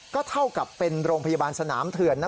ก็เท่ากับเป็นโรงพยาบาลสนามเถื่อน